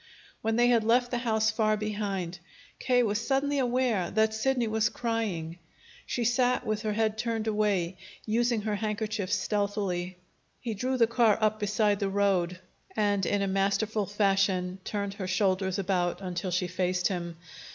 When they had left the house far behind, K. was suddenly aware that Sidney was crying. She sat with her head turned away, using her handkerchief stealthily. He drew the car up beside the road, and in a masterful fashion turned her shoulders about until she faced him.